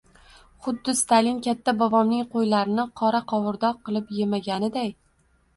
Xuddi Stalin katta bobomning qo’ylarini qoraqovurdoq qilib yemaganiday.